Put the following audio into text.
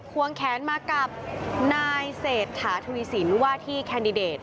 ควงแขนมากับนายเศรษฐาทวีสินว่าที่แคนดิเดต